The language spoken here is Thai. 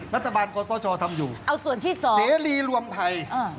รัฐบาลทำอยู่เอาส่วนที่สองศรีรีรวมไทยอ่า